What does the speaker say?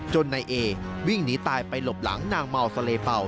นายเอวิ่งหนีตายไปหลบหลังนางเมาซาเลเป่า